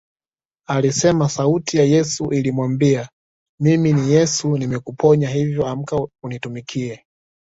Alisema sauti ya Yesu ilimwambia Mimi ni Yesu nimekuponya hivyo amka unitumikie